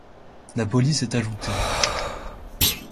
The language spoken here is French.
La police est ajoutée.